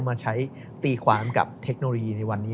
มาใช้ตีความกับเทคโนโลยีในวันนี้